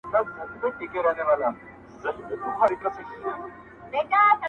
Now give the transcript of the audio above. پلار په چوپتيا کي خپل دروند عذاب زغمي او څه نه وايي,